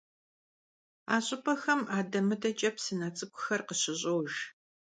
A ş'ıp'exem ade - mıdeç'e psıne ts'ık'uxer khışış'ojj.